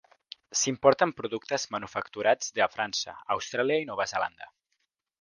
S'importen productes manufacturats de França, Austràlia i Nova Zelanda.